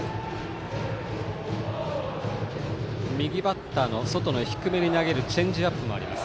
右バッターの外の低めに投げるチェンジアップもあります。